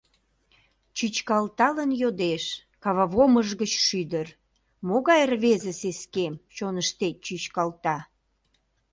Чӱчкалталын йодеш Кававомыш гыч шӱдыр: «Могай рвезе сескем Чоныштет чӱчкалта?»